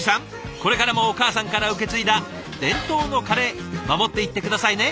これからもお母さんから受け継いだ伝統のカレー守っていって下さいね。